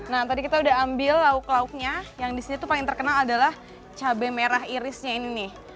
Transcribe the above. nah tadi kita udah ambil lauk lauknya yang disini tuh paling terkenal adalah cabai merah irisnya ini nih